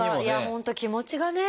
本当気持ちがね。